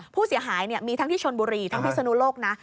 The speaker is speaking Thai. ผู้เสียหายมีทั้งที่ชนบุรีทั้งพิศนุโลกนะ